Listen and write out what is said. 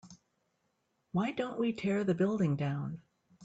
why don't we tear the building down?